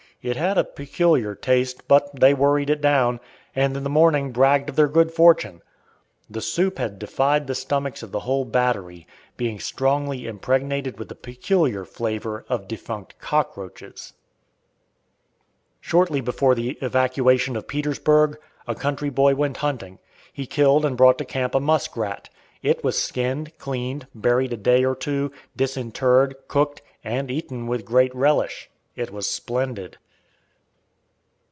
It had a peculiar taste, but they "worried" it down, and in the morning bragged of their good fortune. The soup had defied the stomachs of the whole battery, being strongly impregnated with the peculiar flavor of defunct cockroaches. Shortly before the evacuation of Petersburg, a country boy went hunting. He killed and brought to camp a muskrat. It was skinned, cleaned, buried a day or two, disinterred, cooked, and eaten with great relish. It was splendid.